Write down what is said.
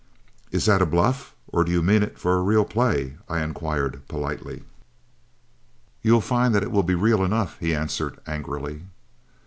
"'Is that a bluff, or do you mean it for a real play?' I inquired, politely. "'You'll find that it will be real enough,' he answered, angrily.